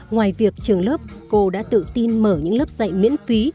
ngoài việc trường lớp cô đã tự tin mở những lớp dạy miễn phí